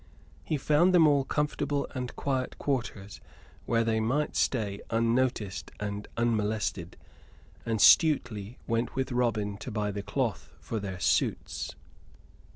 He found them all comfortable and quiet quarters where they might stay unnoticed and unmolested, and Stuteley went with Robin to buy the cloth for their suits.